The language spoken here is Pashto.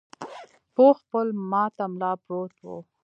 پوخ پل ماته ملا پروت و.